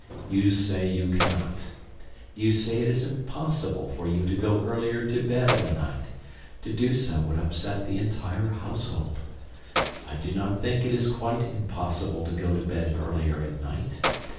You say you cannot. You say it is impossible for you to go earlier to bed of a night to do so would upset the entire household. I do not think it is quite impossible to go to bed earlier at night.